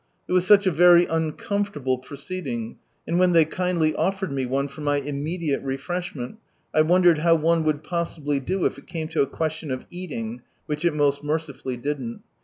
It was such a very uncomfortable proceeding, and when they kindly offered me one for my immediate refreshment, I wondered how one would possibly do if it came to a question of eating (ivhich it most mercifully didn't).